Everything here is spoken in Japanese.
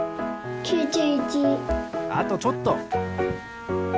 あとちょっと。